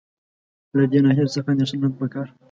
له دې ناحیې څخه اندېښنه نه ده په کار.